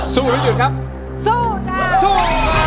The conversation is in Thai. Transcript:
สู้หรือหยุดครับสู้สู้